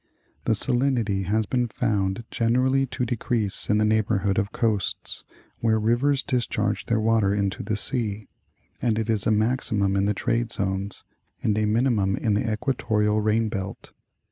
The salinity has been found generally to decrease in the neighborhood of coasts, where rivers discharge their water into the sea, and it is a maximum in the trade zones, and a minimum in the equatorial rain belt.